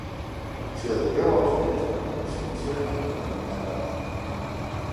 Si eduqueu els nens amb la paciència, aprendran més ràpid.